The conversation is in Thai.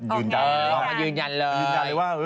ยืนยันเลยว่า